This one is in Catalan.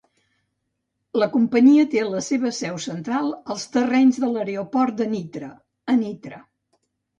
La companyia té la seva seu central als terrenys de l'aeroport de Nitra a Nitra.